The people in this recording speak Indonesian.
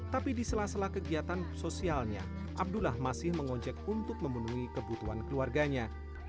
tapi di sela sela kegiatan sosialnya abdullah masih mengonjek untuk memenuhi kebutuhan keluarganya